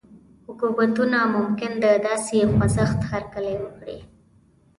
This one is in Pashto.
حکومتونه ممکن د داسې خوځښت هرکلی وکړي.